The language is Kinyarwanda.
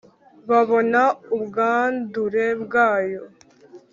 babona ubwandure bwayo;